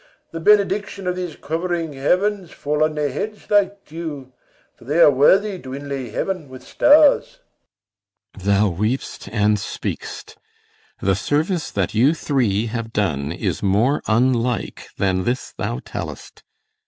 The benediction of these covering heavens Fall on their heads like dew! for they are worthy To inlay heaven with stars. CYMBELINE. Thou weep'st and speak'st. The service that you three have done is more Unlike than this thou tell'st.